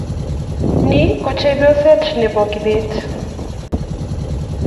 Ni ko chepyoset nebo Kibet